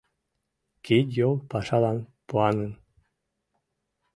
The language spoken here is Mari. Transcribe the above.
Кид-йол пашалан пуаҥын.